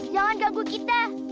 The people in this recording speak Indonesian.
jangan ganggu kita